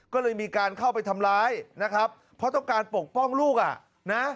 ก็เลยมีการเข้าไปทำร้ายนะครับเพราะต้องการปกป้องลูกอ่ะนะ